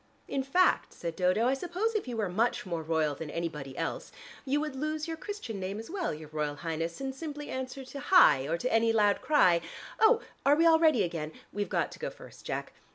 "In fact," said Dodo, "I suppose if you were much more royal than anybody else, you would lose your Christian name as well, your Royal Highness, and simply answer to Hie! or to any loud cry Oh, are we all ready again? We've got to go first, Jack.